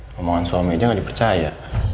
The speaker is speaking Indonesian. ngomongan suami aja nggak dipercaya